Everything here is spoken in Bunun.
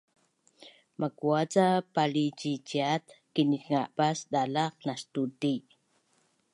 makua ca palciciat kinitngabas dalaq nastu ti